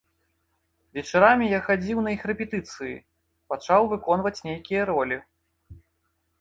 Вечарамі я хадзіў на іх рэпетыцыі, пачаў выконваць нейкія ролі.